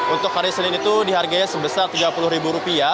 untuk hari senin itu dihargai sebesar rp tiga puluh